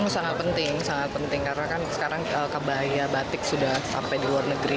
sangat penting karena kan sekarang kebahaya batik sudah sampai di luar negeri